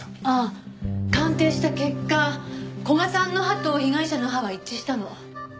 ああ鑑定した結果古賀さんの歯と被害者の歯は一致したの。